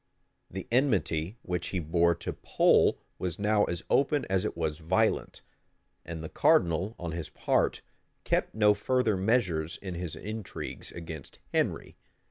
The enmity which he bore to Pole was now as open as it was violent; and the cardinal, on his part, kept no further measures in his intrigues against Henry.